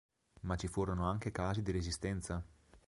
Ma ci furono anche casi di resistenza.